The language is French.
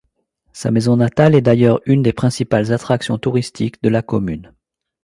Sa maison natale est d'ailleurs une des principales attractions touristiques de la commune.